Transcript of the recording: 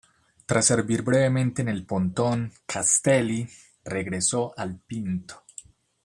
Tras servir brevemente en el pontón "Castelli", regresó al "Pinto".